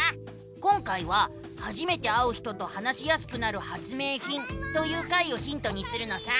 今回は「初めて会う人と話しやすくなる発明品」という回をヒントにするのさ！